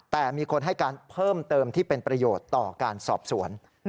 แต่มีคนให้การเพิ่มเติมที่เป็นประโยชน์ต่อการสอบสวน